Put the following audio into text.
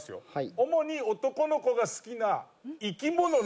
主に男の子が好きな生き物の。